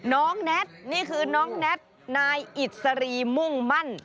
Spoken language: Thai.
น้องแน็ตนี่คือน้องแน็ตนายอิสรีมุ่งมั่น